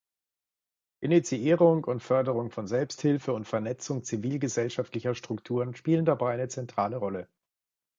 Initiierung und Förderung von Selbsthilfe und Vernetzung zivilgesellschaftlicher Strukturen spielen dabei eine zentrale Rolle.